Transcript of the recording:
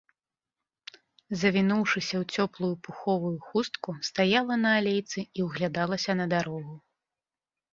Завінуўшыся ў цёплую пуховую хустку, стаяла на алейцы і ўглядалася на дарогу.